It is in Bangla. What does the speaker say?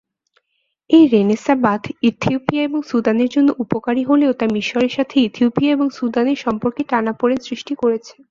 এই রেনেসাঁ বাঁধ ইথিওপিয়া এবং সুদানের জন্য উপকারী হলেও তা মিশরের সাথে ইথিওপিয়া ও সুদানের সম্পর্কে টানাপোড়েন সৃষ্টি করেছে।